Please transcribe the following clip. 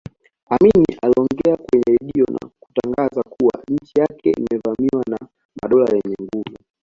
Amin aliongea kwenye redio na kutangaza kuwa nchi yake imevamiwa na madola yenye nguvu